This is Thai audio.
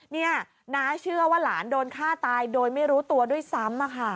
นี่น้าเชื่อว่าหลานโดนฆ่าตายโดยไม่รู้ตัวด้วยซ้ำ